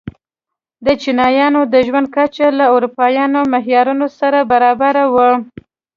د چینایانو د ژوند کچه له اروپايي معیارونو سره برابره وه.